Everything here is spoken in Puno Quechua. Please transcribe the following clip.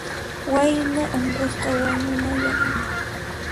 Wayna unqusqa wañunayan.